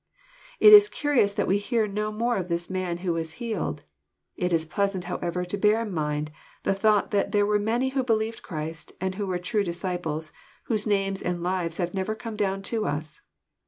\It is curious that we hear no more of this man who was healed. It is pleasant, however, to bear in mind the thought that there were many who believed in Christ and were true disciples, whose names and lives have never come down to us.